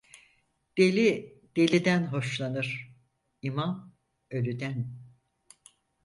Deli deliden hoşlanır, imam ölüden.